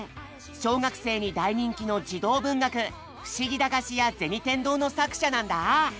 小学生に大人気の児童文学「ふしぎ駄菓子屋銭天堂」の作者なんだ。